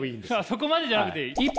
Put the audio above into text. そこまでじゃなくていい？